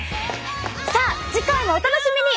さあ次回もお楽しみに！